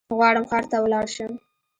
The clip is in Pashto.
غواړم ښار ته ولاړشم